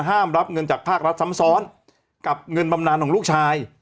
รับเงินจากภาครัฐซ้ำซ้อนกับเงินบำนานของลูกชาย